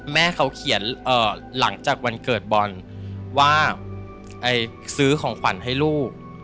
แม่เขาเขียนหลังจากวันเกิดบอลว่าซื้อของขวัญให้ลูก